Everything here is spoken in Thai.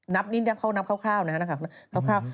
นับนิดนึงนับคร่าวนะครับ